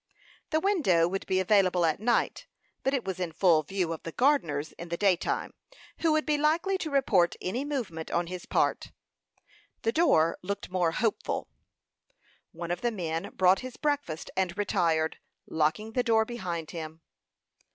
The window would be available at night, but it was in full view of the gardeners in the daytime, who would be likely to report any movement on his part. The door looked more hopeful. One of the men brought his breakfast, and retired, locking the door behind him.